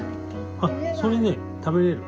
あっそれね食べれる。